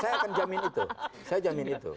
saya akan jamin itu saya jamin itu